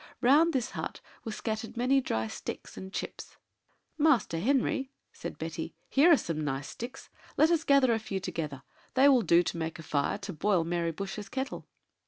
Round this hut were scattered many dry sticks and chips. "Master Henry," said Betty, "here are some nice sticks: let us gather a few together; they will do to make a fire to boil Mary Bush's kettle."